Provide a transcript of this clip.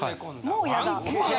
もうやだ。